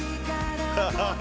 ハハハ！